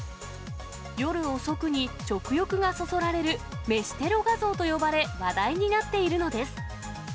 夜遅くに食欲がそそられる飯テロ画像と呼ばれ、話題になっているのです。